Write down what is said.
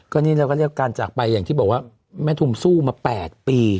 ก็นี่เราก็เรียกการจากไปอย่างที่บอกว่าแม่ทุมสู้มา๘ปี